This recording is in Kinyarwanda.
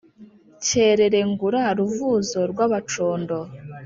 Cyerere ngura Ruvuzo rwa Bacondo